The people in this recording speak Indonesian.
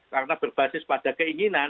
karena berbasis pada keinginan